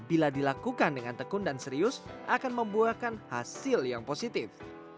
bila dilakukan dengan tekun dan serius akan membuahkan hasil yang positif